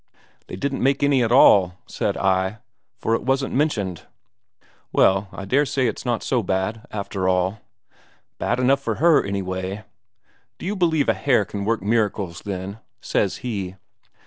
'They didn't make any at all,' said I, 'for it wasn't mentioned.' 'Well, I dare say it's not so bad, after all.' 'Bad enough for her, anyway.' 'Do you believe a hare can work miracles, then?' says he.